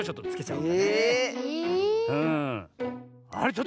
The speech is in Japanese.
うん。